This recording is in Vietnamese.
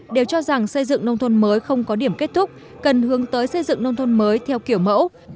đều cho rằng xây dựng nông thôn mới không có điểm kết thúc cần hướng tới xây dựng nông thôn mới theo kiểu mẫu